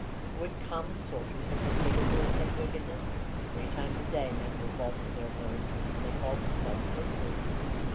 Would common soldiers have been capable of such wickedness? Three times a day men were false to their word and they called themselves princes!